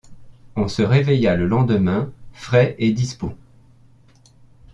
On se réveilla le lendemain frais et dispos.